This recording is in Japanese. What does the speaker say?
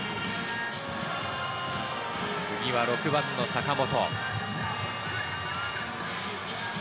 次は６番の坂本。